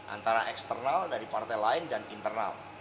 antara eksternal dari partai lain dan internal